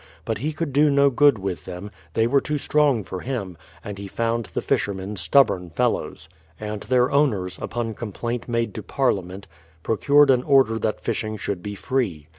But he could do no good with them ; they were too strong for him, and he found the THE PLYMOUTH SETTLEMENT 121 fishermen stubborn fellows; and their owners, upon com plain made to Parliament, procured an order that fishing should be free.